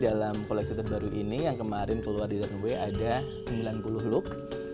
dalam koleksi terbaru ini yang kemarin keluar di runway ada sembilan puluh look